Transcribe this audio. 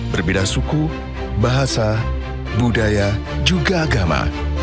berbeda suku bahasa budaya juga agama